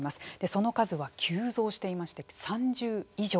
その数は急増していまして３０以上。